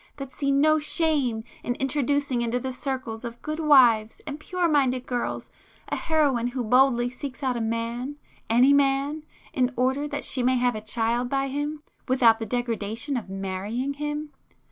—that see no shame in introducing into the circles of good wives and pure minded girls, a heroine who boldly seeks out a man, any man, in order that she may have a child by him, without the 'degradation' of marrying him?